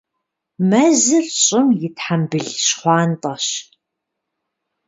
Мэзыр щӀым и «тхьэмбыл щхъуантӀэщ».